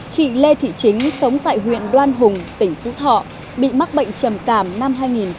chị lê thị chính sống tại huyện đoan hùng tỉnh phú thọ bị mắc bệnh trầm cảm năm hai nghìn sáu